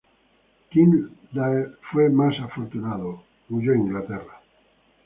Kildare fue más afortunado: huyó a Inglaterra.